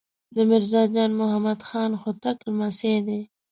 د میرزا جان محمد خان هوتک لمسی دی.